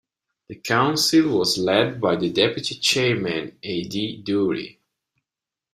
The council was led by the deputy chairman, ad-Douri.